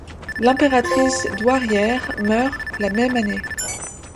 L'impératrice douairière meurt la même année.